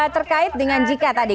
terkait dengan jika tadi